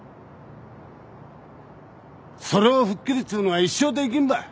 それを吹っ切るっちゅうのは一生できんばい。